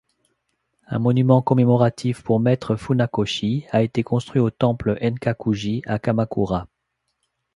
Un monument commémoratif pour Maître Funakoshi a été construit au temple Enkakuji, à Kamakura.